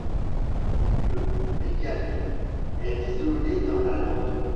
Le mégalithe est isolé dans la lande.